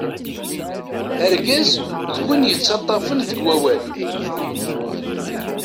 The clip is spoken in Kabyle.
Argaz, d win yettaṭṭafen deg wawal-